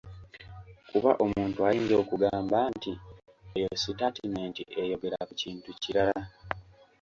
Kuba omuntu ayinza okugamba nti eyo sitaatimenti eyogera ku kintu kirala.